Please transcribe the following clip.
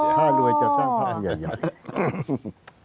ข้ารวยจากสร้างผ้าใหญ่